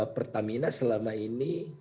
pertamina selama ini